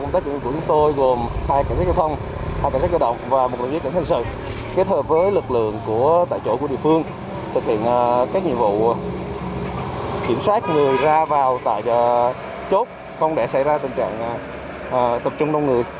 kiểm soát người ra vào tại chốt không để xảy ra tình trạng tập trung đông lược